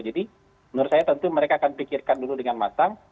jadi menurut saya tentu mereka akan pikirkan dulu dengan masang